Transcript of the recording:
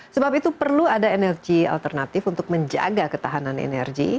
sebab itu perlu ada energi alternatif untuk menjaga ketahanan energi